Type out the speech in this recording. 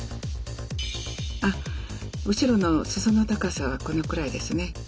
あ後ろの裾の高さはこのくらいですね。